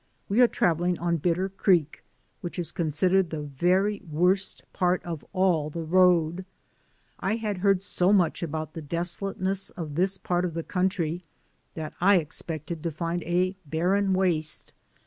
We are traveling on Bitter Creek, which is considered the very worst part of all the road. I had heard so much about the deso lateness of this part of the country that I i86 DAYS ON THE ROAD. expected to find a barren waste.